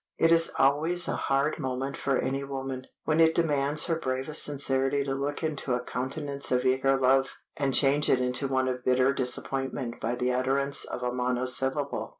It is always a hard moment for any woman, when it demands her bravest sincerity to look into a countenance of eager love, and change it to one of bitter disappointment by the utterance of a monosyllable.